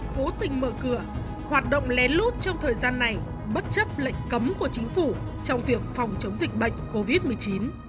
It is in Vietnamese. cố tình mở cửa hoạt động lén lút trong thời gian này bất chấp lệnh cấm của chính phủ trong việc phòng chống dịch bệnh covid một mươi chín